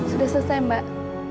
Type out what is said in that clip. sudah selesai mbak